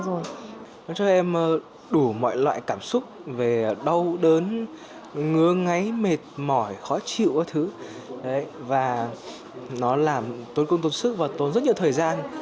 nó cho em đủ mọi loại cảm xúc về đau đớn ngứa ngáy mệt mỏi khó chịu và nó làm tốn công tốn sức và tốn rất nhiều thời gian